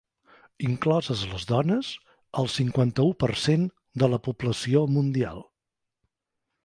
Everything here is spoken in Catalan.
Incloses les dones, el cinquanta-u per cent de la població mundial.